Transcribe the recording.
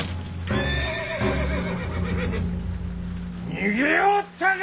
逃げおったか！